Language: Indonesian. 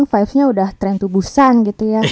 vibesnya udah trend tubusan gitu ya